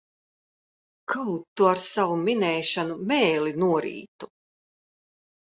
Kaut tu ar savu minēšanu mēli norītu!